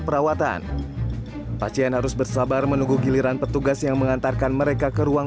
perawatan pasien harus bersabar menunggu giliran petugas yang mengantarkan mereka ke ruang